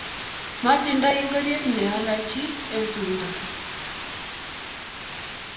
Matindai ingoriet ne alichi eng tumdo.